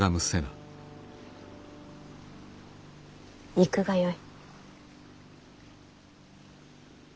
行くがよい。